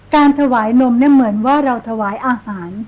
การถวายนมเนี่ยเหมือนว่าเราถวายอาหาร